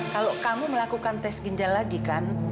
kalau kamu melakukan tes ginjal lagi kan